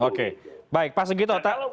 oke baik pas segitu pak